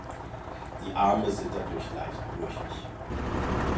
Die Arme sind dadurch leicht brüchig.